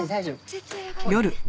絶対やばいって。